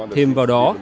thêm vào đó